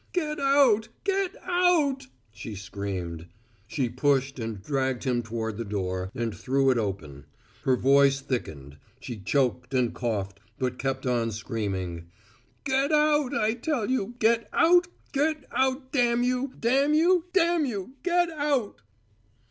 "Get out get out!" she screamed. She pushed and dragged him toward the door, and threw it open. Her voice thickened; she choked and coughed, but kept on screaming: "Get out, I tell you! Get out, get out, damn you! Damn you, damn you! get out!"